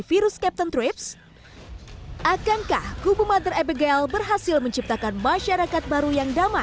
kedua sosok ini mengajak orang yang selamat dari wabah untuk membentuk populasi masyarakat baru pasca pandemi